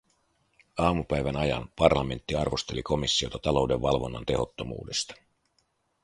Aamupäivän ajan parlamentti arvosteli komissiota talouden valvonnan tehottomuudesta.